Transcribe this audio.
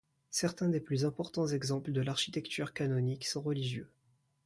Certains des plus importants exemples de l'architecture canonique sont religieux.